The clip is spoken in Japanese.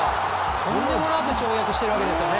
とんでもなく跳躍しているわけですよね。